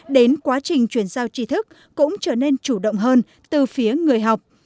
đến quá trình chuyển giao trí thức cũng trở nên chủ động hơn từ phía người học